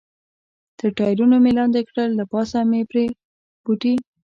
تر ټایرونو مې لاندې کړل، له پاسه مې پرې بوټي.